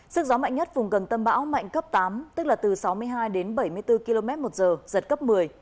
sức gió mạnh nhất vùng gần tâm bão mạnh cấp tám tức là từ sáu mươi hai đến bảy mươi bốn km một giờ giật cấp một mươi